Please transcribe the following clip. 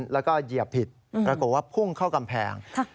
แล้วก็เหยียบผิดปรากฏว่าพุ่งเข้ากำแพง